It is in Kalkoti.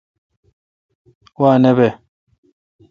وا نہ بہ۔